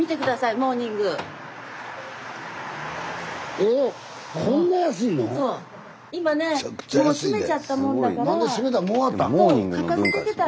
もう閉めちゃったもんだから。